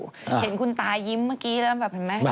เห็นคุณตายิ้มเมื่อกี้แล้วแบบเห็นไหม